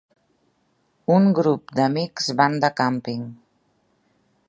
Un grup d'amics van de càmping.